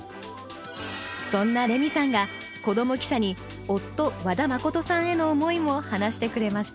そんなレミさんが子ども記者に夫和田誠さんへの思いも話してくれました